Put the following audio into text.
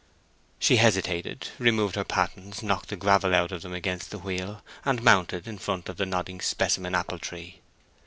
She hesitated, removed her pattens, knocked the gravel out of them against the wheel, and mounted in front of the nodding specimen apple tree.